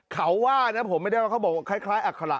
เขาว่านะครับผมไม่ได้ถ้าเขาบอกว่าคล้ายอะขะหละคอม